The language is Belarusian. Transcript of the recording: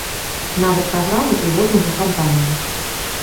Нават праграмы і лозунга кампаніі.